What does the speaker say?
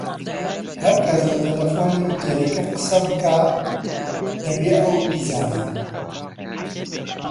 هەرکەس لە تەلەفۆنی ئوتێلەکە قسە بکا دەبێ ئەو بیزانێ